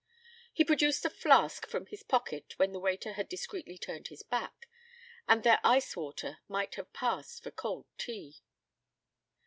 He produced a flask from his pocket when the waiter had discreetly turned his back, and their ice water might have passed for cold tea.